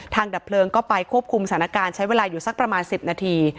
ดับเพลิงก็ไปควบคุมสถานการณ์ใช้เวลาอยู่สักประมาณ๑๐นาที